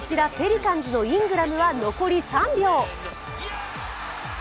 こちら、ペリカンズのイングラムは残り３秒。